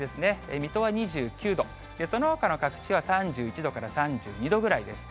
水戸は２９度、そのほかの各地は３１度から３２度ぐらいです。